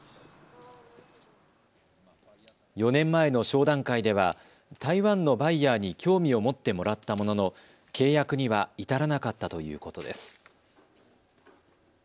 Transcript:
４年前の商談会では台湾のバイヤーに興味を持ってもらったものの契約には至らなかったということです。